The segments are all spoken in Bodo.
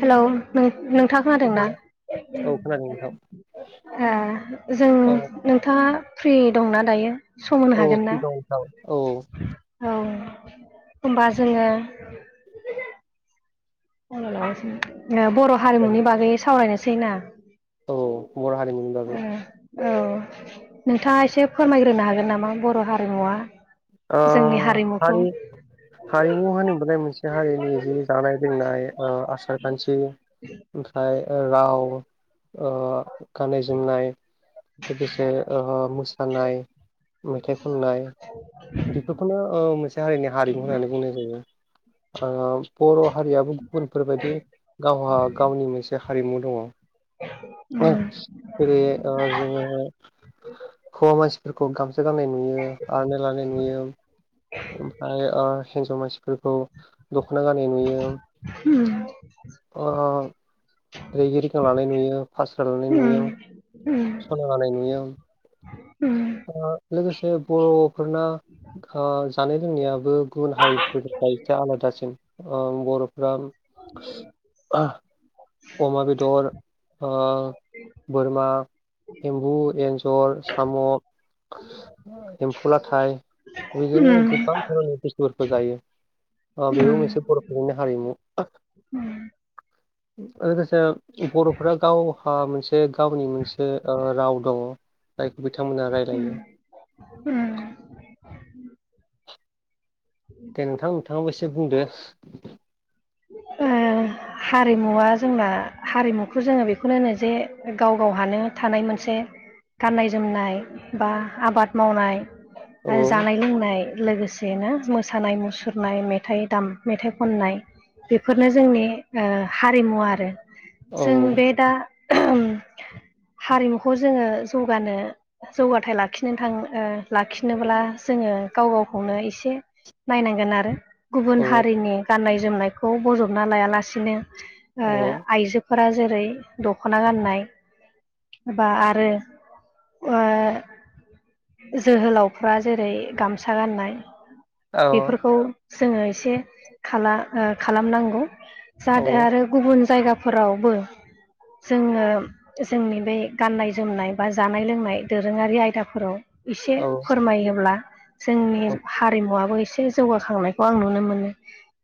हेलौ नों-नोंथाङा खोनादोंना? औ खोनादों नोंथां आ जों औ नोंथाङा फ्रि दंना दायो? सम होनो औ फ्रि हागोनना दं नोंथां औ औ होमबा जोङो [unintelligible] ओ बर' हारिमुनि बागै सावरायनोसैना? औ बर' हारिमुनि बागै [inaudible] औ नोंथाङा एसे फोरमायग्रोनो हागोन नामा बर' हारिमुवा ओ जोंनि हारिमुखौ हारि हारिमु होनोबाथाय मोनसे हारिनि जि जानाय लोंनाय ओ आसार खान्थि ओमफ्राय ओ राव ओ गाननाय जोमनाय लोगोसे ओ मो सानाय मेथाइ खननाय बेफोरखौनो ओ मोनसे हारिनि हारिमु होननानै बुंनाय जायो। ओ बर' हारियाबो गुबुनफोर बायदि गावहा गावनि मोनसे हारिमु दङ। [inaudible] [unintelligible] जेरै जोङो हौवा मानसिफोरखौ गामसा गाननाय नुयो आर'नाइ लानाय नुयो। ओमफ्राय हिन्जाव मानसिफोरखौ दख'ना गानानाय नुयो उम दैगिरिखौ लानाय नुयो फास र लानाय नुयो। उम सना लायनि उम लोगोसे बर'फोरना जानाय लोंनायाबो गुबुन हारिफोरनि एसे आलादासिम बर'फ्रा अमा बेदर ओ बोरमा एम्बु एन्जर साम' एम्फौलाथाय उम बेदिनो गोबां धारोमनि बुस्थुफोरखौ जायो ओ बेबो मोनसे बर'फोरनि हारिमु उम। लोगोसे बर'फोरा गाव ओ मोनसे गावनि मोनसे ओ राव दङ जायखौ बिथांमोना रायलायो। उम। दे नोंथां नोंथाङाबो एसे बुंदो। ओ हारिमुवा जोंना हारिमुखौ जोङो बेखौनो होनो जे गाव गावहानो थानाय मोनसे गाननाय जोमनाय बा आबाद मावनाय औ जानाय लोंनाय लोगोसे बेनो मोसानाय मुसुरनाय मेथाइ दाम मेथाइ खननाय बेफोरनो जोंनि हारिमु आरो औ जों बे दा हारिमुखौ जोङो जौगानो जौगाथाय लाखिनो थां लाखिनोब्ला जोङो गाव गावखौनो एसे नायनांगोन आरो गुबुन औ हारिनि गाननाय जोमनायखौ बजबना लायालासिनो औ आइजो फोर जेरै दख'ना गाननाय बबा आरो जोहोलावफ्रा जेरै गामसा गाननाय औ बेफोरखौ जोङो एसे खालामनांगौ। औ आरो गुबुन जायगाफोरावबो जोङो जोंनि बे गाननाय जोमनाय बा जानाय लोंनाय दोरोङारि आयदाफोराव एसे औ फोरमायोब्ला जोंनि हारिमुवा से जौगाखांनायखौ आं नुनो मोनो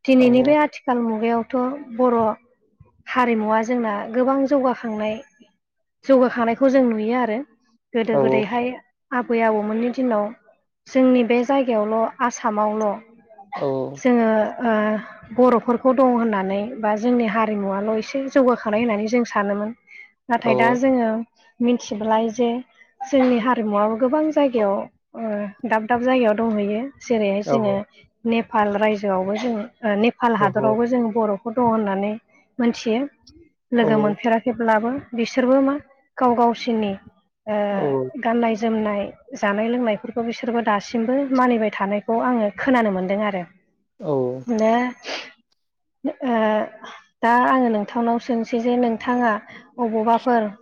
दिनैनि बे औ आथिखाल सिाल मुगायावथ' बर' हारिमुवा जोंना गोबां जौगाखांनाय जौगाखानायखौ जों नुयो आरो गोदो गोदैहाय आबै आबौमोननि दिनाव जोंनि बे जायगायावल' आसामावल' औ जोङो बर'फोरखौ दं होननानै बा जोंनि हारिमुवल' एसे जौगाखांानाय होननानै जों सानोमोन। औ नाथाय दा जोङो मिथिबोलाय जे जोंनि हारिमुवाबो गोबां जायगायाव दाब दाब जायगायाव दंहैयो जेरैहाय जोङो नेपाल रायजोआवबो जोङो नेपाल औ हादरावबो जों बर' दं होननानै मोनथियो लोगो मोनफेराखैब्लाबो बिसोरबो मा गाव गावसिनि औ गाननाय जोमनाय जानाय लोंनायफोरखौ बिसोरबो दासिमबो मानिबाय थानायखौ आङो खोनानो मोनदों आरो। औ मनो दा आङो नोंथांनाव सोंसै जे नोंथाङा बबावबाफोर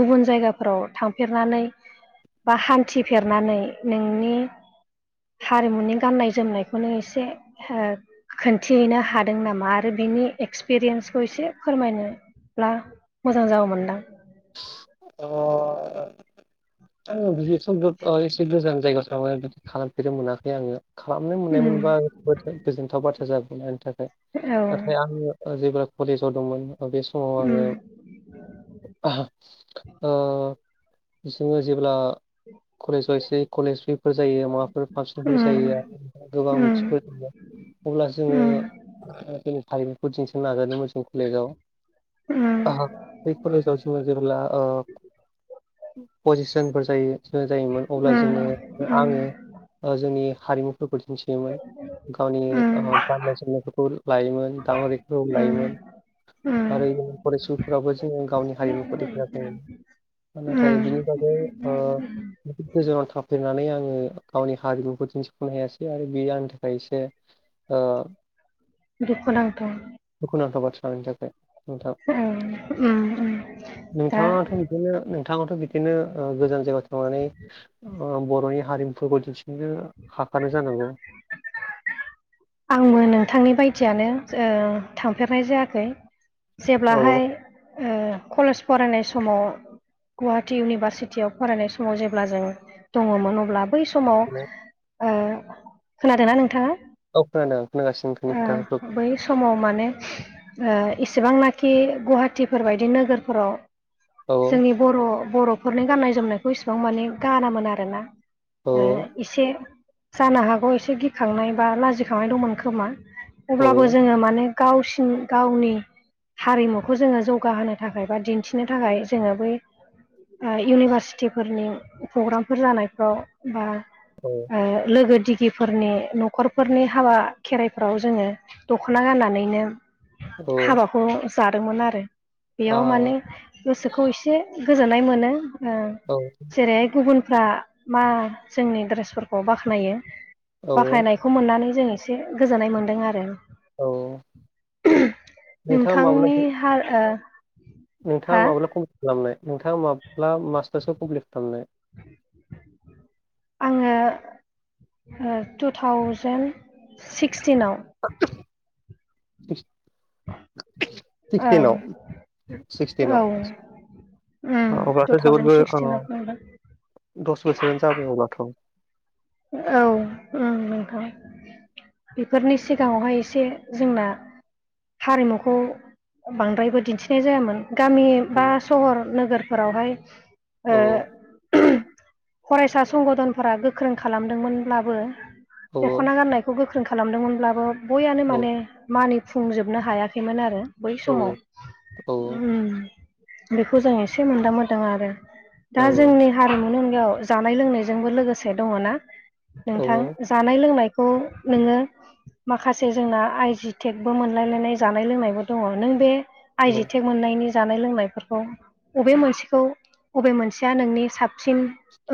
गुबुन जायगाफोराव थांफेरनानै बा हान्थिफेरनानै नोंनि हारिमुनि गाननाय जोमनायखौनो एसे खोनन्थिहैनो हादों नामा आरो बिनि एक्सपिरियेन्सखौ एसे फोरमायनो ब्ला मोजां जागौनदां। अ ओ आङो बिदिथ' बि एसे गोजान जायगायावथ' बिदि खालामफेरनो मोनाखै आङो। खालामनो मोननाय उम मोनबा जोबोद गोजोनथाव बाथ्रा जागोमोन आनि थाखाय औ नाथाय आङो जेब्ला कलेजाव दंमोन बे समाव आङो उम ओ जोङो जेब्ला कलेजाव एसे कलेज उइकफोर जायो माबाफोर फांसनफोर उम जायो आरो गोबां उम मिथिफोर दङ अब्ला जोङो उम जोंनि हारिमुखौ दिन्थिनो नाजादोंमोन जों कलेजाव उम बे कलेजाव जों जेब्ला आ पजिसनफोर जायो जोङो जायोमोन अब्ला उम जोङो उम आङो जोंनि हारिमुफोरखौ दिन्थियोमोन गावनि उम गान्नाय सोमनायफोरखौ लायोमोन दाङउरिखौ उम लायोमोन। आरो उम फरायसुफोराबो जोङो गावनि हारिमुखौ देखाय जो नाथाय उम बिनि बागै ओ गोजानाव थाफेरनानै आङो गावनि हारिमुखौ दिन्थिफुंनो हायासै आरो बेयो आंनि थाखाय एसे ओ दुखुनांथाव दुखुनांथाव बाथ्रा आंनि थाखाय नोंथां। ओम नोंथाङाथ' बिदिनो नोंथाङाथ' बिदिनो गोजान जायगायाव थांनानै ओ बर'नि हारिमुफोरखौ दिन्थिनो हाखानाय जानांगौ। [inaudible] आंबो नोंथांनि बायदियानो ओ थांफेरनाय जायाखै। औ जेब्लाहाय ओ कलेज फरायनाय समाव । गुवाहाटि इउनिभारसिटियाव फरायनाय समाव जेब्ला जों दङमोन अब्ला बै समाव औ ओ खोनादोंना नोंथाङा? औ खोनादों। खोनागासिनो नोंथांनि खोथाखौ ओ बै समाव माने ओ इसेबांनाखि गुवाहाटिफोर बायदि नोगोरफोराव औ जोंनि बर' बर'फोरनि गाननाय जोमनायखौ इसिबां माने गानामोन आरोना। औ ओ एसे जानो हागौ एसे गिखांनाय बा लाजि खांनाय दंमोन खोमा अब्लाबो औ जोङो माने गावसिन गावनि हारिमुखौ जोङो जौगाहोनो थाखाय बा दिन्थिनो थाखाय जोङो बै इउनिभारसिटिफोरनि प्रग्रामफोर जानायफ्राव बा औ ओ लोगो दिगिफोरनि न'खरफोरनि हाबा खेराइफ्राव जोङो दख'ना गाननानैनो औ हाबाखौ जादोंमोन आरो आ बेयाव माने गोसोखौ एसे गोजोननाय मोनो। ओ औ जेरैहाय गुबुनफ्रा मा जोंनि ड्रेसफोरखौ बाख्नायो। औ बाखायनायखौ मोननानै जों एसे गोजोननाय मोन्दों आरो औ नोंथाङा माब्ला नोंथांनि हाल ओ हा नोंथाङा माब्ला कमप्लिट खालामनाय नोंथाङा माब्ला मास्टार्सआव कमप्लिट खालामनाय? आङो टु थावजेेन सिक्सटिनाव। [inaudible] ओं सिक्सटिनाव औ उम सिक्सटिनाव। टु अब्लाथ' थावजेन जोबोदबो सिक्सटिनाव खोनादों दस बोसोरानो जाबाय अब्लाथ'। औ नोंथां। बेफोरनि सिगाङावहाय एसे जोंना हारिमुखौ बांद्रायबो दिन्थिनाय जायामोन गामि बा सहर नोगोरफोरावहाय ओ औ फरायसा संगनफोरा गोख्रों खालामदोंमोनब्लाबो औ दख'ना गाननायखौ गोख्रों खालामदोंमोनब्लाबो बययानो औ माने मानिफुंजोबनो हायाखैमोन आरो बै समाव औ औ बेखौ जों एसे मोनदां मोनोदों आरो दा औ जोंनि हारिमुनि अनगायाव जानाय लोंनायजोंबो लोगोसे दङनाा औ नोंथां। जानाय लोंनायखौ नोङो माखासे जोंना आइजि टेकबो मोनलायलायनाय जानाय लोंनायबो दङ नों बे आइजि औ टेक मोननायनि जानाय लोंनायफोरखौ बबे मोनसेखौ बबे मोनसेया नोंनि साबसिन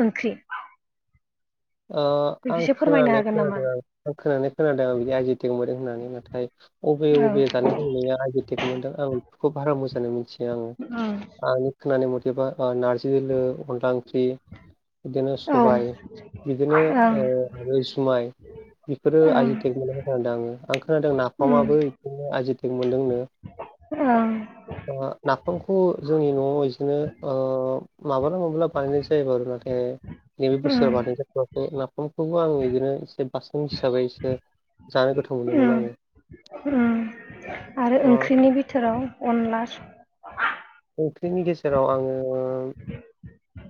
ओंख्रि ओ आं बेखौसो फोरमायनो खोनानानै हागोन नामा? खोनादों आं खोनानानै खोनादों आं बिदि आइजि दंबोदों होननानै नाथाय उबे औ उबे जाना य लोंनाया आइटेक मोनदों आं खुब बारा मोजाङानो मिथियो आङो आंनि खोनानाय मथेबा नारजि दोलो अनला ओंख्रि बिदिनो ओं ओं सबाय बिदिनो ओ जुमाय बेफोरो आइ ओं जि टेक मोनदों खोनादों आङो आं खोनादों उम नाफामाबो बिदिनो आयजि टेग मोनदोंनो। ओं जोंहा नाफामखौ जोंनि न'आव बिदिनो ओ मालाबा मालाबा बानायनाय जायो आरो नों [inaudible] नैबे बोसोरा उम बानायनायजाथ'वाखै नाफामखौबो आं बिदिनो एसे बासोन हिसाबै एसे जानो गोथाव मोनोमोन आङो। अम आरो ओ ओंख्रिनि बिथोराव अनला ओंख्रिनि गेजेराव आङो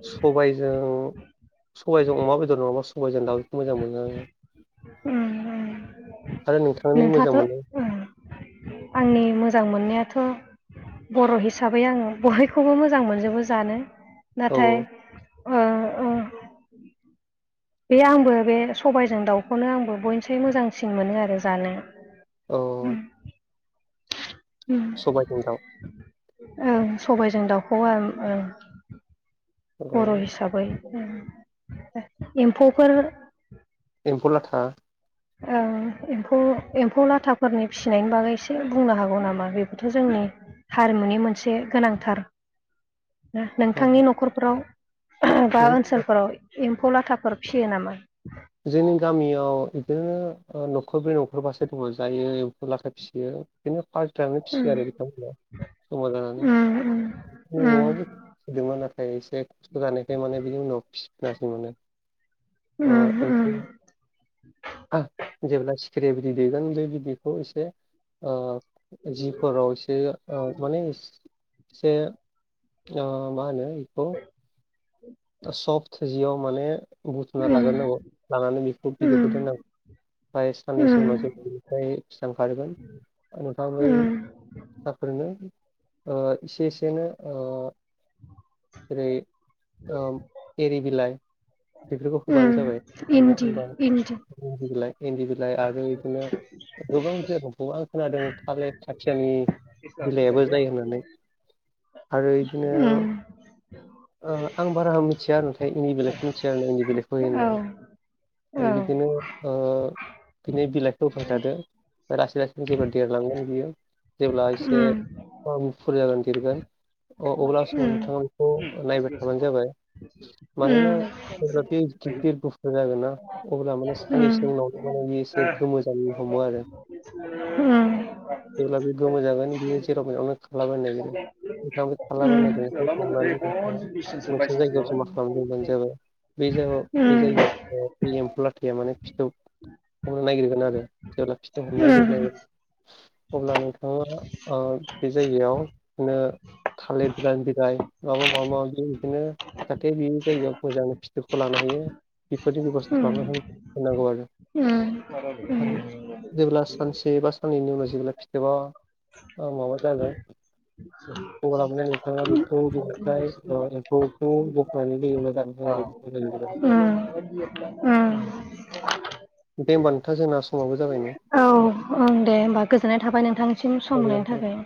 सबायजों सबायजों अमा बेदर नङाबा सबायजों दाउखौ मोजां मोनो आरो। अम आरो नोंथांनि मोजां मोननाय नि मोजां मोननायाथ' बर' हिसाबै आङो बयखौबो मोजां मोनजोबो जानो। नाथाय औ ओ औ बे आंबो बे सबायजों दाउखौनो आंबो बयनिसाय मोजांसिन मोनो आरो जानो। औ अम सबाय जों दाउ ओं सबायजों दाउखौ ओं बर' औ हिसाबै एम्फौफोर एम्फौ लाथा ओं एम्फौ एम्फौ लाथाफोरनि फिसिनायनि बागै एसे बुंनो हागौ नामा बेबोथ' जोंनि हारिमुनि मोनसे गोनांथार औ नोंथांनि न'खरफोराव बा जों ओनसोलफोराव एम्फौ लाथाफोर फियो नामा जोंनि गामियाव बिदिनो न'खरब्रै न'खरबासो दङ जायो एमफु लाथा फिसियो बिदिनो फाल्टिानो फिसियो उम आरो बिथांमोना जमा जानानै उम उम न'आव फिसिदोंमोन नाथाय एसे खस्थ' जानायखाय माने बिनि उनाव फिसिया सै माने ओ अम अम एम्फौ जेब्ला सिखिरि बिदै दैगोन बे बिदिखौ एसे ओ जिफोराव एसे माने एसे ओ मा होनो बेखौ [inaudible] सफ्ट जियाव माने बुथुमना उम लाग्रोनांगौ लानानै बेखौ बिदैखौ उम दोननांगौ ओमफ्राय साननैसो उम उनाव ज- निफ्राय फिसा ओंखारगोन नोंथाङा बै उम फिसाफोरनो ओ- एसे एसेनो ओ- जेरै ओ-एरि बिलाइ बेफोरखौ उम होबानो जाबाय इन्दि हमबा इन्दि इन्दि बिलाय इन्दि बि आरो बिदिनो गोबां बे आं खोनादों थालिर आथियानि बिलाइयाबो जायो होननानै [unintelligible] आरो बिदिनो ओ आं बारा मिथिया आरो नाथाय इंन्दि बिलायखौ मिथिया आरोना इन्दि बिलायखौ औ होयो होननानै। औ उम बिदिनो ओ बिनि बिलाइखौ होबाय थादो लासै लासैनो जेबो देरलांगोन बियो जेब्ला एसे उम गुफुर जागोन देरगोन अब्ला उम समाव नोंथाङा बेखौ नायबाय थाबानो जाबाय मानोना गिदिर जागोन ना अब्ला माने उम साननैसो उनावथ' माने बेयो एसे गोमो जानो हमो आरो। उम जेब्ला बे गोमो जागोन बियो जेराव मेरावनो खारलाबायनो नागिरो। खारलाबायनो नागिरनायखौ हमनानै मोनसे जायगायाव जमा खालामना दोनबानो जाबाय। बे औ ओं जायगायाव दे बे जायगायाव बे एम्फौ लाथाया माने फिथोब। हमनो नागिरगोन आरो जेब्ला फिथोब हमनो नागिरनो नागिरो अब्ला नोंथाङा बे ओ-जायगायावनो थालिर गोरान बिलाय माबा माबि बिदिनो जाहाथे बिनि जायगायाव मोजां फिथोबखौ लानो हायो। बेबायदि बेब'स्था खालामना होनांगौ आरो जेब्ला सानसे बा साननैनि उनाव जेब्ला फिथोबा ओ-माबा जागोन [unintelligible] नोंथाङा बेखौ [unintelligible] उम दे होमबा नोंथां जोंना समाबो जाबायनो। दे होमबा गोजोननाय थाबाय नोंथांनिसिम सम होनायनि जाबायनो थाखाय।